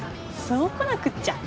そうこなくっちゃ。